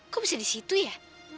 kamu selisih itu ya